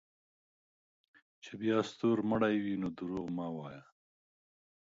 چې بیا ستورمړے وې نو دروغ مه وایه